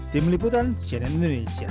tim liputan cnn indonesia